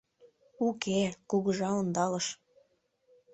Уке, кугыжа ондалыш.